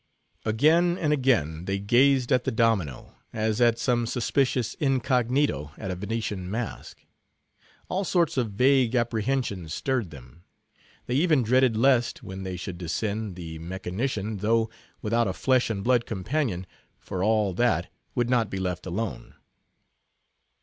Again, and again, they gazed at the domino, as at some suspicious incognito at a Venetian mask. All sorts of vague apprehensions stirred them. They even dreaded lest, when they should descend, the mechanician, though without a flesh and blood companion, for all that, would not be left alone.